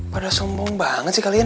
pada sombong banget sih kalian